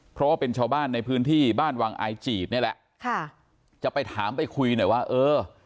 เพราะว่าเป็นชาวบ้านในพื้นที่บ้านวังอายจีดนี่แหละค่ะจะไปถามไปคุยหน่อยว่าเออ